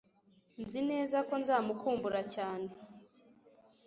Nzi neza ko nzamukumbura cyane